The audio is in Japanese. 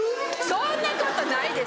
そんなことないです！